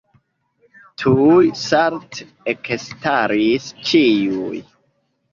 Tuj salte ekstaris ĉiuj.